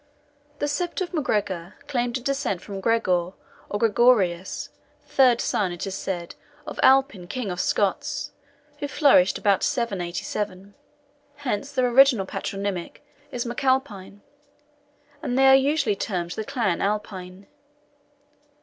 The sept of MacGregor claimed a descent from Gregor, or Gregorius, third son, it is said, of Alpin King of Scots, who flourished about 787. Hence their original patronymic is MacAlpine, and they are usually termed the Clan Alpine.